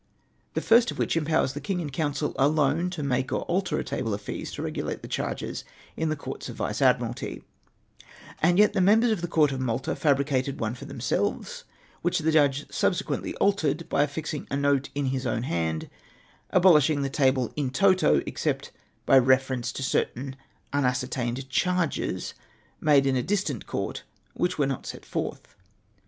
The first of which empowers the King in Council alone to make or alter a table of fees to regulate the charges in Courts of Vice Admiralty, and yet the members of the Court of jMalta ftibricated one for them selves, which the judge subsequently altered by affixing a note in his own liand, abolishing the table in toto, except by reference to certain unascertained charges made in a distant court, which were not set forth.